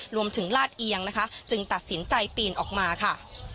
ลาดเอียงนะคะจึงตัดสินใจปีนออกมาค่ะ